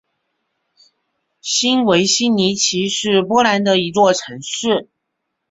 新维希尼奇是波兰的一座城市。